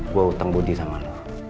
gua utang bodi sama lu